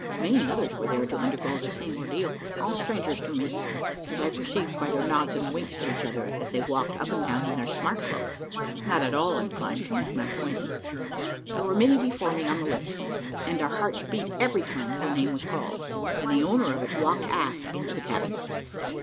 Many others were there to undergo the same ordeal, all strangers to me, as I perceived by their nods and winks to each other, as they walked up and down in their smart clothes, not at all inclined to make my acquaintance. There were many before me on the list, and our hearts beat every time that a name was called, and the owner of it walked aft into the cabin.